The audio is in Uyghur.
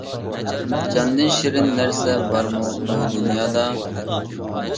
جاندىن شېرىن نەرسە بارمۇ بۇ دۇنيادا!